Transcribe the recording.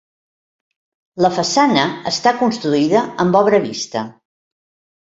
La façana està construïda amb obra vista.